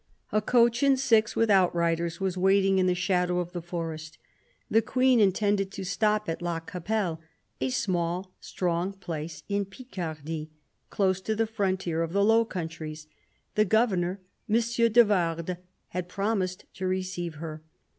A coach and six, with outriders, ;as waiting in the shadow of the forest. The Queen itended to stop at La Capelle, a small strong place in 'icardy, close to the frontier of the Low Countries : the :overnor, M. de Vardes, had promised to receive her.